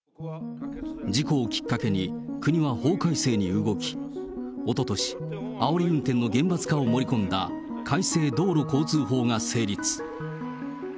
事故をきっかけに国は法改正に動き、おととし、あおり運転の厳罰化を盛り込んだ、改正道路交通法が成立。